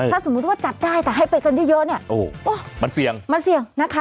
ถ้าสมมุติว่าจัดได้แต่ให้ไปกันเยอะมันเสี่ยง